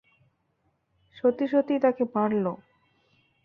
সত্যি সত্যিই তাকে মারলো।